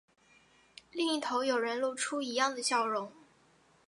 另一头有人露出一样的笑容